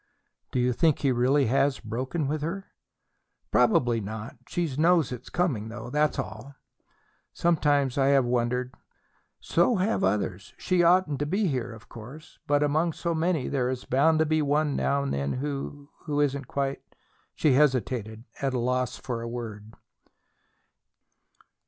"Do you think he has really broken with her?" "Probably not. She knows it's coming; that's all." "Sometimes I have wondered " "So have others. She oughtn't to be here, of course. But among so many there is bound to be one now and then who who isn't quite " She hesitated, at a loss for a word.